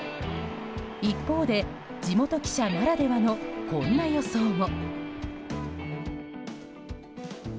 一方で、地元記者ならではのこんな予想も。